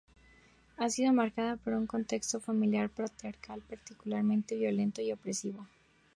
Ha sido marcado por un contexto familiar patriarcal particularmente violento y opresivo.